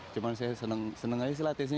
cuman saya senang aja sih latih di sini